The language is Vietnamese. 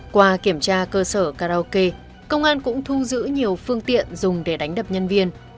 qua kiểm tra cơ sở karaoke công an cũng thu giữ nhiều phương tiện dùng để đánh đập nhân viên